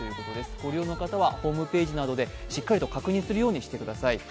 ご利用の方はホームページなどでしっかりと確認するようにしてください。